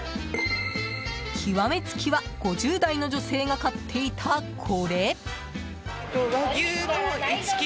極めつきは５０代の女性が買っていた、これ。